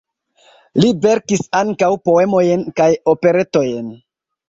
Li verkis ankaŭ poemojn kaj operetojn.